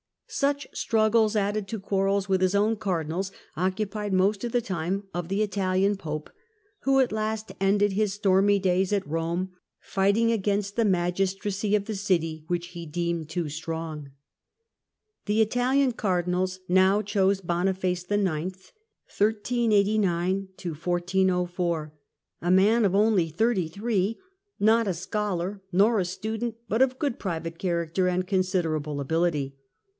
Such struggles, added to quarrels with his own Cardinals, occupied most of the time of the Italian Pope, who at last ended his stormy days at Eome fighting against the magistracy of the city which he deemed too strong. Boniface The Italian Cardinals now chose Boniface IX., a man Rom° o^ oiily thirty three, not a scholar nor a student, but 1389 1404 q£ good private character and considerable ability.